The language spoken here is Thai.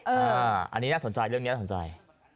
อันนี้น่าสนใจเรื่องนี้น่าสนใจ